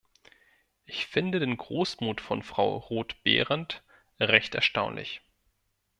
Ich finde den Großmut von Frau Roth-Behrendt recht erstaunlich.